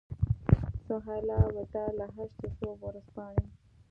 سهیلا وداع له هشت صبح ورځپاڼې.